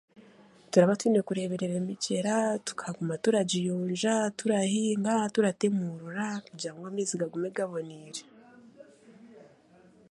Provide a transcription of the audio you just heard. Turaba twine kureeberera emigyera tukaguma turagiyonja, turahinga, turatemurura kugira ngu amaizi gagume g'aboniire.